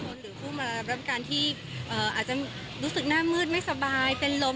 หรือผู้มารับการที่อาจจะรู้สึกหน้ามืดไม่สบายเป็นลม